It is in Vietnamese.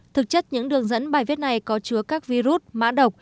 thực chất những đường dẫn bài viết này có chứa các virus mã độc